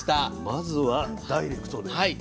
まずはダイレクトで。